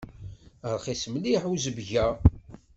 Rxis mliḥ uzebg-a.